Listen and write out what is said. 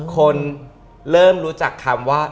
คนเริ่มรู้จักคำว่า